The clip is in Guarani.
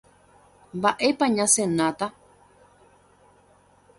Mba'épa ñasenáta.